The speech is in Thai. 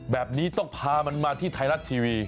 แบบนี้ต้องพามันมาที่ไทยรัฐทีวี